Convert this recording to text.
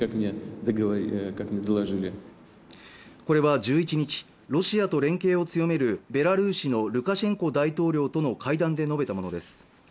これは１１日ロシアと連携を強めるベラルーシのルカシェンコ大統領との会談で述べたものです